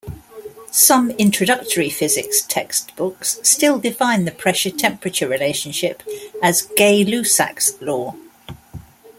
Some introductory physics textbooks still define the pressure-temperature relationship as Gay-Lussac's law.